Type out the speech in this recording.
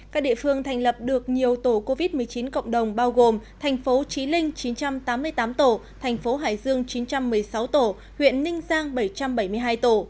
các địa phương thành lập được nhiều tổ covid một mươi chín cộng đồng bao gồm thành phố trí linh chín trăm tám mươi tám tổ thành phố hải dương chín trăm một mươi sáu tổ huyện ninh giang bảy trăm bảy mươi hai tổ